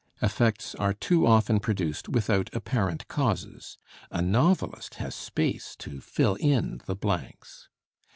Effects are too often produced without apparent causes; a novelist has space to fill in the blanks.